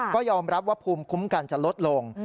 ก็ยอมรับว่าภูมิคุ้มกันจะลดลง